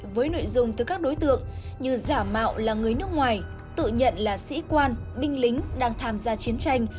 với nội dung từ các đối tượng như giả mạo là người nước ngoài tự nhận là sĩ quan binh lính đang tham gia chiến tranh